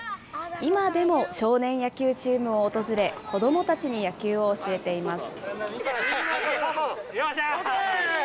今でも少年野球チームを訪れ、子どもたちに野球を教えています。